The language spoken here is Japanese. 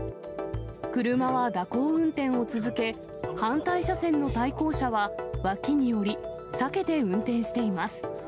車は蛇行運転を続け、反対車線の対向車は脇に寄り、避けて運転しています。